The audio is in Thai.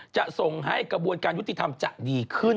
จะส่งให้กระบวนการยุติธรรมจะดีขึ้น